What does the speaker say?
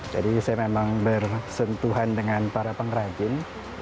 jadi saya memang bersentuhan dengan para pengrajin